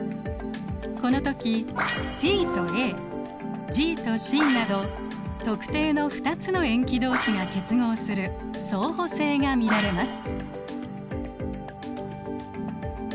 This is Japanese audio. この時ＴとＡＧとＣなど特定の２つの塩基同士が結合する相補性が見られます。